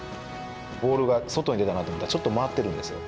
ボールが外に出たと思って、ちょっと回ってるんですよ。